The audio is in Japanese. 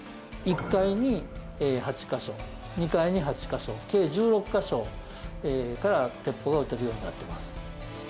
１階に８カ所、２階に８カ所計１６カ所から鉄砲が撃てるようになってます。